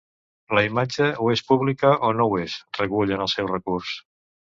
La imatge o és publica o no ho és, recull en el seu recurs.